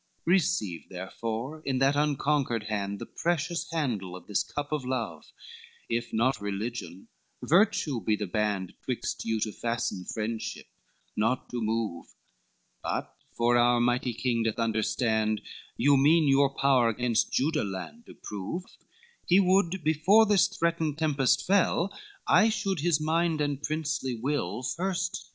LXIV "Receive therefore in that unconquered hand The precious handle of this cup of love, If not religion, virtue be the band 'Twixt you to fasten friendship not to move: But for our mighty king doth understand, You mean your power 'gainst Juda land to prove, He would, before this threatened tempest fell, I should his mind and princely will first tell.